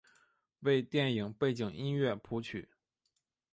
为电影背景音乐谱曲。